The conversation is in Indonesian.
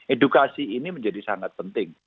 edukasi ini menjadi sangat penting